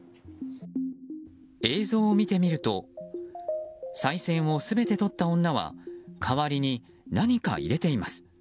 映像を見てみるとさい銭を全てとった女は代わりに何か入れています。